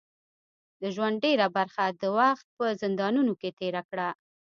د ژوند ډیره برخه د وخت په زندانونو کې تېره کړه.